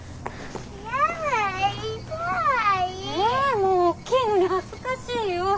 もうおっきいのに恥ずかしいよ。